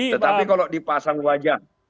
tetapi kalau dipasang wajah